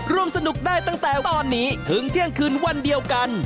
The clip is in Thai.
ร่วมสนุกได้ตั้งแต่ตอนนี้ถึงเที่ยงคืนวันเดียวกัน